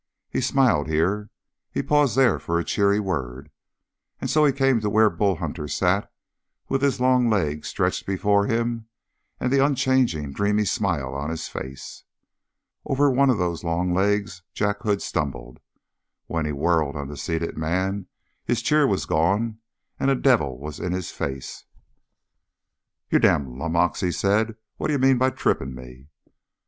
He smiled here; he paused there for a cheery word; and so he came to where Bull Hunter sat with his long legs stretched before him and the unchanging, dreamy smile on his face. Over those long legs Jack Hood stumbled. When he whirled on the seated man his cheer was gone and a devil was in his face. "You damned lummox," he said, "what d'ye mean by tripping me?"